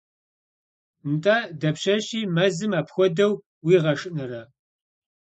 – НтӀэ, дапщэщи мэзым апхуэдэу уигъэшынэрэ?